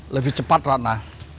lebih cepat ratna